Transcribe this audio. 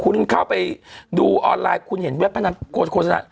คุณเข้าไปดูออนไลน์คุณเห็นเว็บพนันโฆษณา